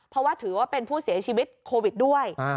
เพราะว่าถือว่าเป็นผู้เสียชีวิตโควิดด้วย